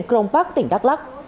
công an tỉnh đắk lắc